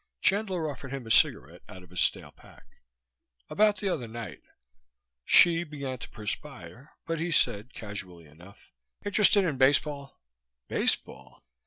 Chandler offered him a cigarette out of a stale pack. "About the other night " Hsi began to perspire, but he said, casually enough, "Interested in baseball?" "Baseball?"